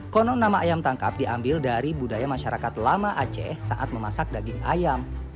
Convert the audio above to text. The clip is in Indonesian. konon nama ayam tangkap diambil dari budaya masyarakat lama aceh saat memasak daging ayam